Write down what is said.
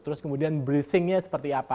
terus kemudian breathing nya seperti apa